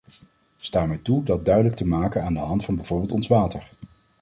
Sta mij toe dat duidelijk te maken aan de hand van bijvoorbeeld ons water.